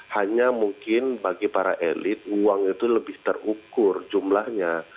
hanya mungkin bagi para elit uang itu lebih terukur jumlahnya